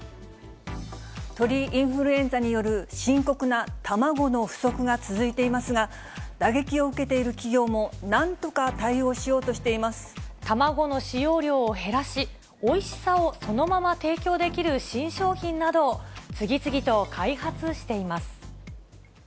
鳥インフルエンザによる深刻な卵の不足が続いていますが、打撃を受けている企業もなんとか卵の使用量を減らし、おいしさをそのまま提供できる新商品などを次々と開発しています。